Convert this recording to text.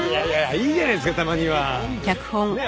いいじゃないですかたまには。ねえ？